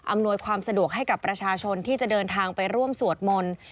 ความสะดวกให้กับประชาชนที่จะเดินทางไปร่วมสวดมนต์